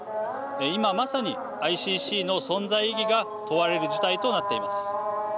今、まさにＩＣＣの存在意義が問われる事態となっています。